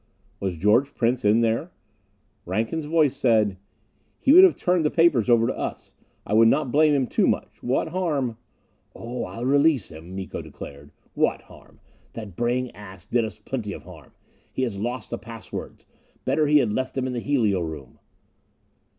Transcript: Was George Prince in there? Rankin's voice said: "He would have turned the papers over to us. I would not blame him too much. What harm " "Oh, I'll release him," Miko declared. "What harm? That braying ass did us plenty of harm. He has lost the pass words. Better he had left them in the helio room."